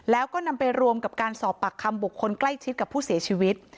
แล้วก็นำไปรวมกับการสอบปากคำบุคคลใกล้ชิดกับผู้เสียชีวิต